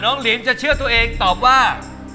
น้องลิ้นจะเชื่อตัวเองตอบว่า